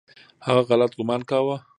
هغه غلط ګومان کاوه .